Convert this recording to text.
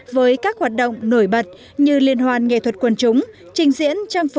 với các hoạt động nổi bật như liên hoan nghệ thuật quần chúng trình diễn trang phục